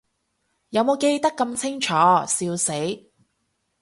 有無記得咁清楚，笑死